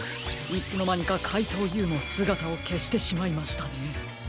いつのまにかかいとうＵもすがたをけしてしまいましたね。